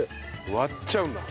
割っちゃうんだ。